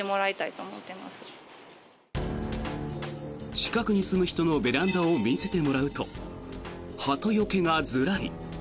近くに住む人のベランダを見せてもらうとハトよけがずらり。